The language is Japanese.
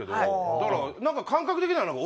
だから何か感覚的には。